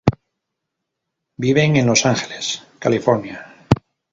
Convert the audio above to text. Viven en Los Angeles, California.